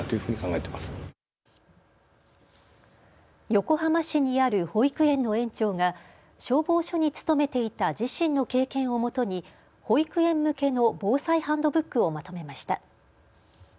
横浜市にある保育園の園長が消防署に勤めていた自身の経験を元に保育園向けの防災ハンドブックをまとめました。